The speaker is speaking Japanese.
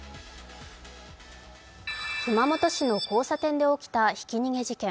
熊本市の交差点で起きたひき逃げ事件。